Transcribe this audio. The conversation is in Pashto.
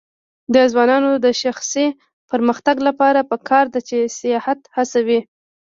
د ځوانانو د شخصي پرمختګ لپاره پکار ده چې سیاحت هڅوي.